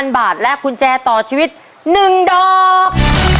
๐บาทและกุญแจต่อชีวิต๑ดอก